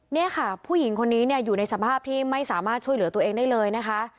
นี่ค่ะผู้หญิงคนนี้เนี่ยอยู่ในสภาพที่ไม่สามารถช่วยเหลือตัวเองได้เลยนะคะ